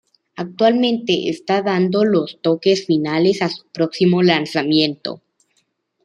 Actualmente está dando los toques finales a su próximo lanzamiento.